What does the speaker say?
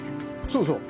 そうそう。